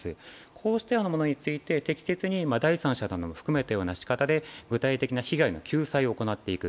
こうしたようなものについて適切に第三者も含めたようなしかたで具体的な被害の救済を行っていく。